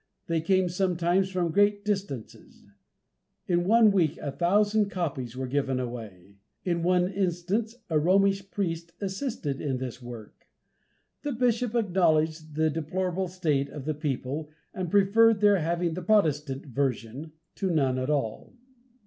They came sometimes from great distances. In one week a thousand copies were given away. In one instance a Romish priest assisted in this work. The bishop acknowledged the deplorable state of the people, and preferred their having the Protestant version to none at all.